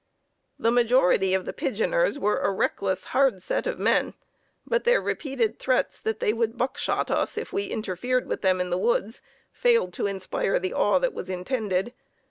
The majority of the pigeoners were a reckless, hard set of men, but their repeated threats that they would "buckshot us" if we interfered with them in the woods failed to inspire the awe that was intended.